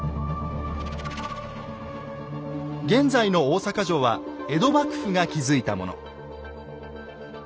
現在の大坂城は江戸幕府が築いたもの。